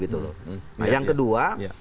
nah yang kedua